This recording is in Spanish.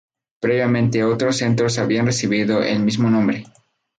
Previamente otros centros habían recibido el mismo nombre.